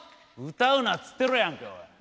歌うなっつってるやんけおい。